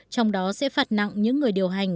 trong đó sẽ phạt nặng những người điều hành